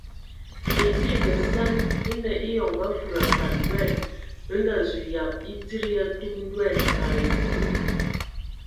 Edigi nsan enə eyɔŋ ba fudi afan ndoan bə nga zu yab e tsid ya tub ndoan ai mvu.